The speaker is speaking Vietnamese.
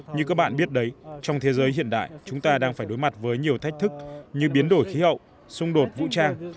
như các bạn biết đấy trong thế giới hiện đại chúng ta đang phải đối mặt với nhiều thách thức như biến đổi khí hậu xung đột vũ trang